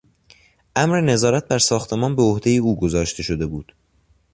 امر نظارت بر ساختمان به عهدهی او گذاشته شده بود.